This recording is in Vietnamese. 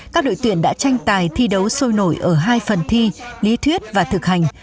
các đội tuyển đã tranh tài thi đấu sôi nổi ở hai phần thi lý thuyết và thực hành